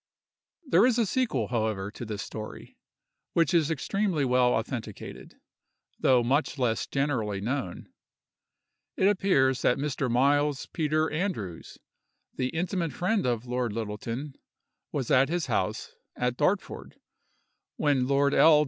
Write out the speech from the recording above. There is a sequel, however, to this story, which is extremely well authenticated, though much less generally known. It appears that Mr. Miles Peter Andrews, the intimate friend of Lord Littleton, was at his house, at Dartford, when Lord L.